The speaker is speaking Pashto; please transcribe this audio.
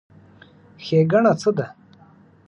ښېګڼه څه ده؟